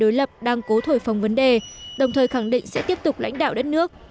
đối lập đang cố thổi phòng vấn đề đồng thời khẳng định sẽ tiếp tục lãnh đạo đất nước